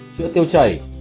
chữa tiêu chảy